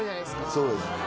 そうです。